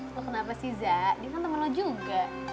lo kenapa sih zak dia kan temen lo juga